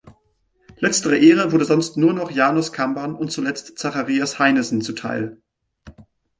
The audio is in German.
Letztere Ehre wurde sonst nur noch Janus Kamban und zuletzt Zacharias Heinesen zu teil.